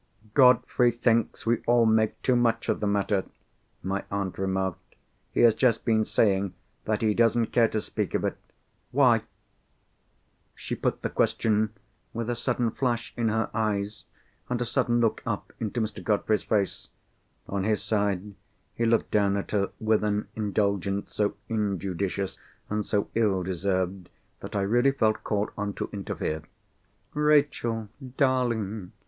"Godfrey thinks we all make too much of the matter," my aunt remarked. "He has just been saying that he doesn't care to speak of it." "Why?" She put the question with a sudden flash in her eyes, and a sudden look up into Mr. Godfrey's face. On his side, he looked down at her with an indulgence so injudicious and so ill deserved, that I really felt called on to interfere. "Rachel, darling!"